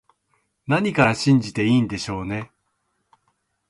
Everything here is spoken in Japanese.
何から信じていいんでしょうね